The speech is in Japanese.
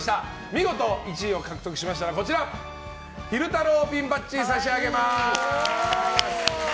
見事１位を獲得しましたら昼太郎ピンバッジを差し上げます。